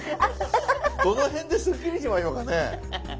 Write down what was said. どの辺でスッキリしましょうかね。